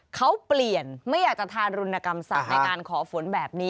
เขาเปลี่ยนไม่อยากจะทารุณกรรมสัตว์ในการขอฝนแบบนี้